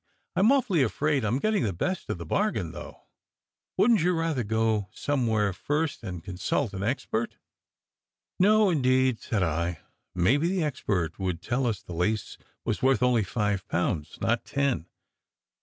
"I m awfully afraid I m getting the best of the bargain, though. Wouldn t you rather go somewhere first and consult an expert?" "No, indeed," said I. "Maybe the expert would tell us the lace was worth only five pounds, not ten.